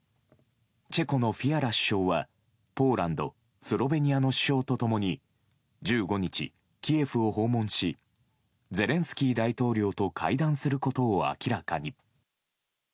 チェコのフィアラ首相はポーランド、スロベニアの首相と共に１５日キエフを訪問しゼレンスキー大統領と会談することを明らかに。